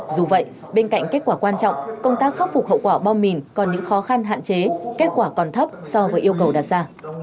dù vậy bên cạnh kết quả quan trọng công tác khắc phục hậu quả bom mìn còn những khó khăn hạn chế kết quả còn thấp so với yêu cầu đặt ra